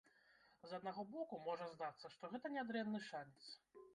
З аднаго боку, можа здацца, што гэта нядрэнны шанец.